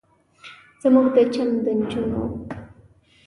زموږ د چم د نجونو